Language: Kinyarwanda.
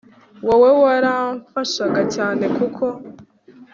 wowe waramfashaga cyane kuko